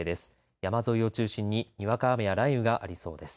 山沿いを中心ににわか雨や雷雨がありそうです。